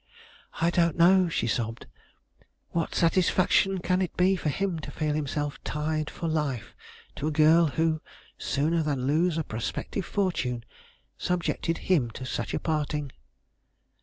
"I don't know," she sobbed. "What satisfaction can it be for him to feel himself tied for life to a girl who, sooner than lose a prospective fortune, subjected him to such a parting?"